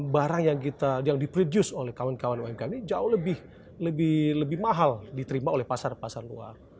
barang yang dipreduce oleh kawan kawan umkm ini jauh lebih mahal diterima oleh pasar pasar luar